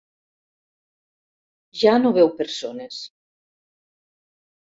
Ja no veu persones.